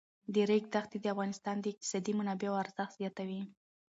د ریګ دښتې د افغانستان د اقتصادي منابعو ارزښت زیاتوي.